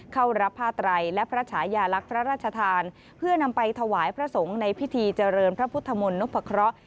เข้ารับผ้าไตรและพระฉายาลักษณ์พระราชทานเพื่อนำไปถวายพระสงฆ์ในพิธีเจริญพระพุทธมนต์นพเคราะห์